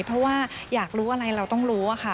เพราะว่าอยากรู้อะไรเราต้องรู้อะค่ะ